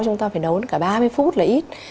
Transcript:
chúng ta phải nấu cả ba mươi phút là ít